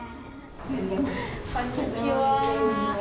こんにちは。